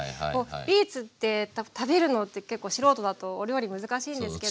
ビーツって食べるのって結構素人だとお料理難しいんですけど。